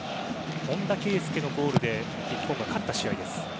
本田圭佑のゴールで日本が勝った試合です。